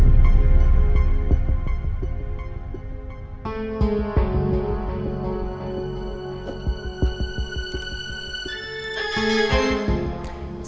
saya tunggu kabar ibu ya